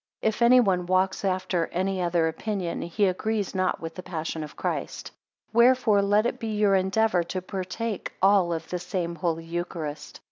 If any one walks after any other opinion, he agrees not with the passion of Christ. 10 Wherefore let it be your endeavour to partake all of the same holy eucharist.